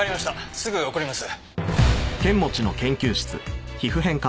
すぐ送ります」